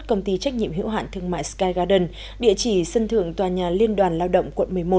công ty trách nhiệm hữu hạn thương mại sky garden địa chỉ sân thượng toà nhà liên đoàn lao động quận một mươi một